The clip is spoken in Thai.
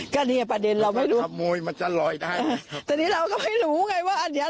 ก็เนี่ยประเด็นเราไม่รู้ขโมยมันจะลอยได้แต่นี่เราก็ไม่รู้ไงว่าอันเนี้ย